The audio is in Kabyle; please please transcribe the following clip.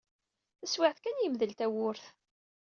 Taswiɛt kan, yemdel tawwurt.